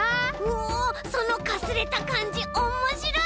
おそのかすれたかんじおもしろい！